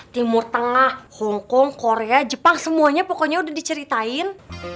timur tengah hongkong korea jepang semuanya pokoknya udah diceritain